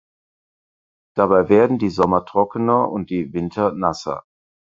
Dabei werden die Sommer trockener und die Winter nasser.